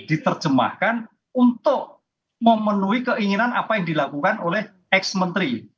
diterjemahkan untuk memenuhi keinginan apa yang dilakukan oleh ex menteri